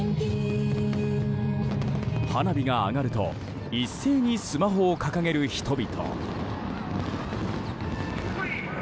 花火が上がると一斉にスマホを掲げる人々。